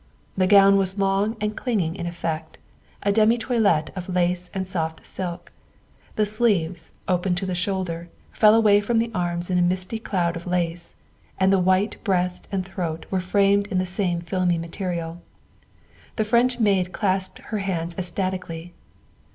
The gown was long and clinging in effect; a demi toilet of lace and soft silk ; the sleeves, open to the shoulder, fell away from the arms in a misty cloud of lace, and the white breast and throat were framed in the same filmy material. The French maid clasped her hands ecstatically.